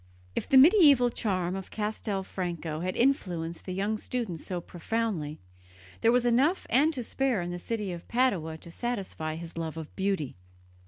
If the medieval charm of Castelfranco had influenced the young student so profoundly, there was enough and to spare in the city of Padua to satisfy his love of beauty.